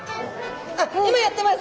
あっ今やってます！